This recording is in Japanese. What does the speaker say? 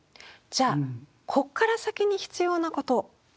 じゃあこっから先に必要なこと何でしょうか？